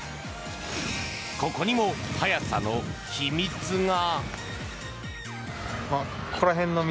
ここにも速さの秘密が。